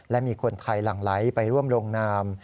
และมีคนไทยหลั่งไหลไปร่วมลงนาม